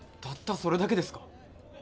たったそれだけですか？